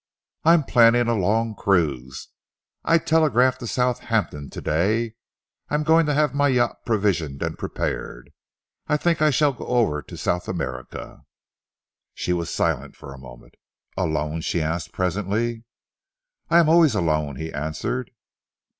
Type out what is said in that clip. "I am planning a long cruise. I telegraphed to Southampton to day. I am having my yacht provisioned and prepared. I think I shall go over to South America." She was silent for a moment. "Alone?" she asked presently. "I am always alone," he answered.